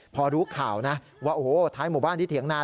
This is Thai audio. พอรู้ข่าวนะว่าโอ้โหท้ายหมู่บ้านที่เถียงนา